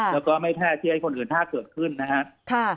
แล้วก็ไม่แพร่ที่ให้คนอื่นถ้าเกิดขึ้นนะครับ